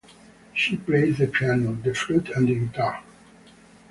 She plays the piano, the flute and the guitar.